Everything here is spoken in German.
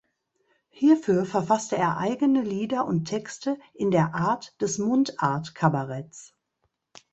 Hierfür verfasste er eigene Lieder und Texte in der Art des Mundart-Kabaretts.